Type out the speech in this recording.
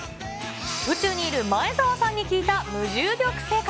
宇宙にいる前澤さんに聞いた、無重力生活。